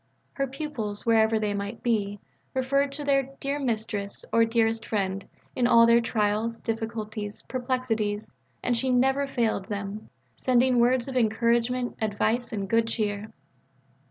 Her pupils, wherever they might be, referred to their "dear Mistress" or "dearest friend" in all their trials, difficulties, perplexities, and she never failed them sending words of encouragement, advice, and good cheer.